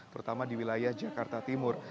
terutama di wilayah jakarta timur